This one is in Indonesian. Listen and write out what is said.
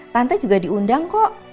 tante juga diundang kok